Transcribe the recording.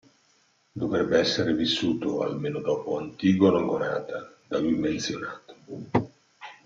Dovrebbe essere vissuto almeno dopo Antigono Gonata, da lui menzionato.